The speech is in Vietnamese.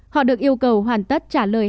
họ được yêu cầu hoàn tất trả lời